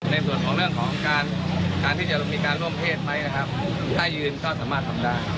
ในส่วนของเรื่องของการการที่จะมีการร่วมเพศไหมนะครับถ้ายืนก็สามารถทำได้